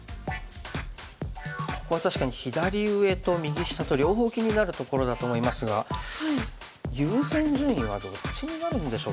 ここは確かに左上と右下と両方気になるところだと思いますが優先順位はどっちになるんでしょうかね。